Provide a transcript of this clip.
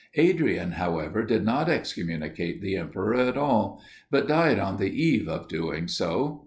Adrian, however, did not excommunicate the emperor at all, but died on the eve of doing so.